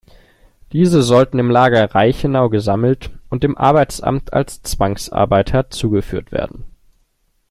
Diese sollten im Lager Reichenau gesammelt und dem Arbeitsamt als Zwangsarbeiter zugeführt werden.